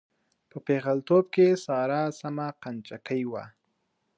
په پېغلتوب کې ساره سمه قند چکۍ وه.